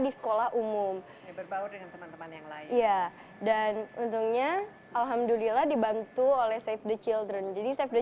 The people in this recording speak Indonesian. di sekolah umum ya dan untungnya alhamdulillah dibantu oleh save the children jadi save the